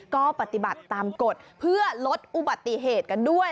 ก็ปฏิบัติตามกฎเพื่อลดอุบัติเหตุกันด้วย